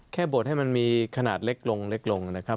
แค่บดให้มันมีขนาดเล็กลงนะครับ